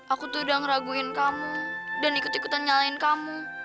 aku tuh udah ngeraguin kamu dan ikut ikutan nyalain kamu